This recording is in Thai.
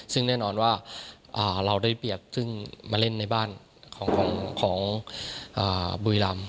ซึ่งแน่นอนว่าเราได้เปรียบซึ่งมาเล่นในบ้านของบุรีรำ